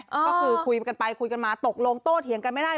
ก็คือคุยกันไปคุยกันมาตกลงโต้เถียงกันไม่ได้